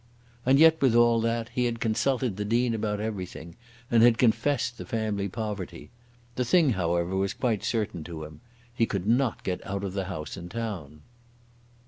And yet, with all that, he had consulted the Dean about everything, and had confessed the family poverty. The thing, however, was quite certain to him; he could not get out of the house in town.